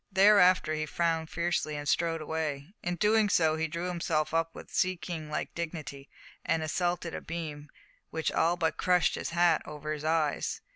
Thereafter he frowned fiercely, and strode away. In doing so he drew himself up with sea king like dignity and assaulted a beam, which all but crushed his hat over his eyes.